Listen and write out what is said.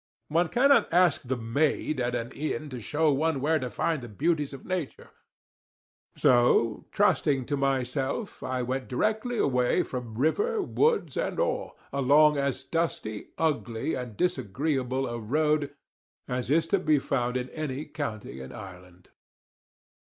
One cannot ask the maid at an inn to show one where to find the beauties of nature. So, trusting to myself, I went directly away from river, woods, and all, along as dusty, ugly, and disagreeable a road as is to be found in any county in Ireland.